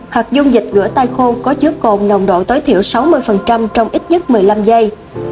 hoặc dung dịch rửa tay khô có chứa cồn nồng độ tối thiểu sáu mươi trong ít nhất một mươi năm giây